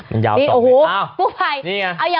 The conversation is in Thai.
มันยาว๒เมตร